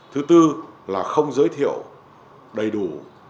thứ tư là không giới thiệu đầy đủ